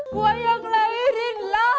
gua yang lahirin lah